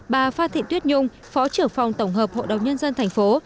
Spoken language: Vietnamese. bà phan thị tuyết nhung phó trưởng phòng tổng hợp hội đồng nhân dân thành phố